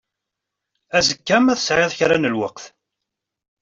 Azekka ma tesɛiḍ kra n lweqt.